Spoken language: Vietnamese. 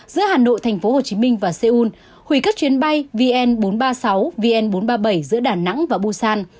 giữa hà nội tp hcm và seoul hủy các chuyến bay vn bốn trăm ba mươi sáu vn bốn trăm ba mươi bảy giữa đà nẵng và busan